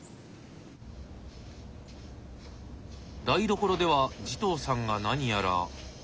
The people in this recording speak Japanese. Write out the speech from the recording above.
台所では慈瞳さんが何やら。